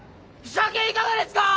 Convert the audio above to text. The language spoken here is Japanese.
鮭いかがですか！